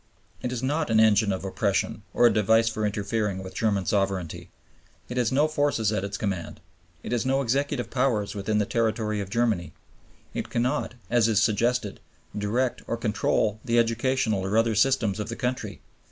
It is not an engine of oppression or a device for interfering with German sovereignty. It has no forces at its command; it has no executive powers within the territory of Germany; it cannot, as is suggested, direct or control the educational or other systems of the country.